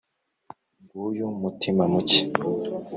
nguyu mutima muke